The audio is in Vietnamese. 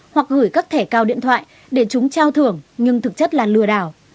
hoặc gửi các thẻ cao điện thoại để chúng trao thưởng nhưng thực chất là lừa đảo